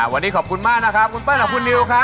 วันนี้ขอบคุณมากนะครับคุณเปิ้ลกับคุณนิวครับ